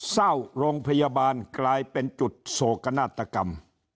เศร้าโรงพยาบาลกลายเป็นจุดโศกนาฏกรรม